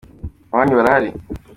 Iwanyu barahari?